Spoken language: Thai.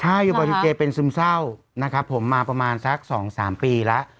ใช่อยู่บอดีเจเป็นซึมเศร้านะครับผมมาประมาณสัก๒๓ปีแล้ว